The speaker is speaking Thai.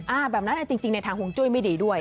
แบบนั้นจริงในทางห่วงจุ้ยไม่ดีด้วย